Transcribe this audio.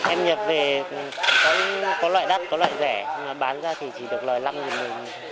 em nhập về có loại đắt có loại rẻ bán ra thì chỉ được lời năm đồng